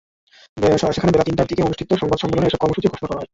সেখানে বেলা তিনটার দিকে অনুষ্ঠিত সংবাদ সম্মেলনে এসব কর্মসূচি ঘোষণা করা হয়।